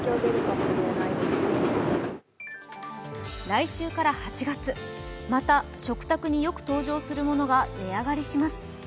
来週から８月、また食卓によく登場するものが値上がりします。